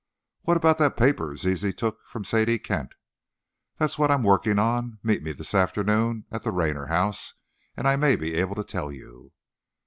"What about that paper Zizi took from Sadie Kent?" "That's what I'm working on. Meet me this afternoon at the Raynor house, and I may be able to tell you."